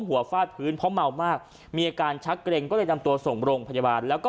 หัวฝาดพื้นพร้อมเผลอมากมีอาการชักเกร็งก็ได้นำตัวส่งโรงพยาบาลแล้วก็